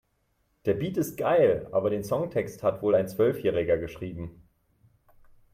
Der Beat ist geil, aber den Songtext hat wohl ein Zwölfjähriger geschrieben.